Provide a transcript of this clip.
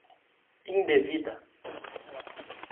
indevida